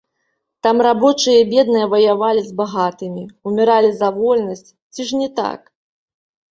Там рабочыя і бедныя ваявалі з багатымі, уміралі за вольнасць, ці ж не так?